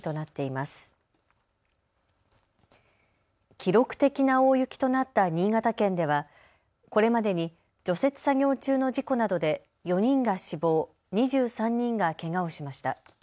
記録的な大雪となった新潟県ではこれまでに除雪作業中の事故などで４人が死亡、２３人がけがをしました。